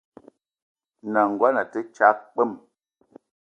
N’nagono a te tsag kpwem.